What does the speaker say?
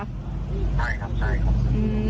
ใช่ครับ